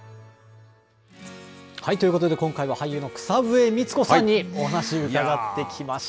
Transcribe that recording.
ということで今回は俳優の草笛光子さんにお話伺ってきました。